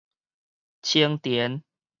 青田